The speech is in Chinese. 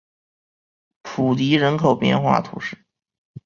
普迪人口变化图示